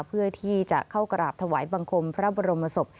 เพื่อที่จะเข้ากราบถวายบังคมพระบรมศพ